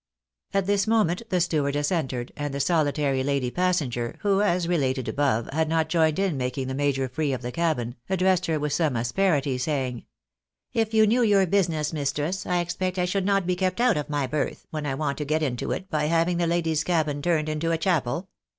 At this moment the stewardess entered, and the solitary lady passenger, who, as related above, had not joined in making the major free of the cabin, addressed her with some asperity, saying —" If you knew your business, mistress, I expect I should not be kept out of my berth, when I want to get into it, by having the ladies' cabin turned into a chapel.